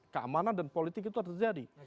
keamanan dan politik itu harus terjadi